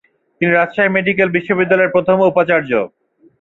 তিনি রাজশাহী মেডিকেল বিশ্ববিদ্যালয়ের প্রথম উপাচার্য।